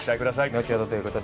後ほどということで。